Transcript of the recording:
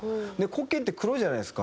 黒鍵って黒じゃないですか。